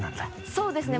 そうですね。